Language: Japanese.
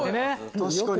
確かに！